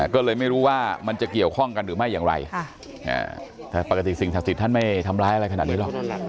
ก็เลยไม่รู้ว่ามันจะเกี่ยวข้องกันหรือไม่อย่างไรแต่ปกติสิ่งศักดิ์สิทธิ์ท่านไม่ทำร้ายอะไรขนาดนี้หรอก